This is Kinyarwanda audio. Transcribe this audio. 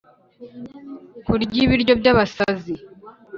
kurya ibiryo byabasazi.